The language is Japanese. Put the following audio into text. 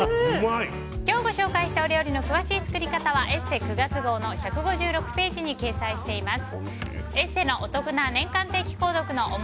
今日ご紹介したお料理の詳しい作り方は「ＥＳＳＥ」９月号の１５６ページに掲載しています。